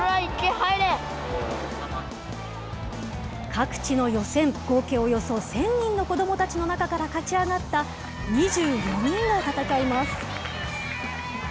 各地の予選、合計およそ１０００人の子どもたちの中から勝ち上がった２４人が戦います。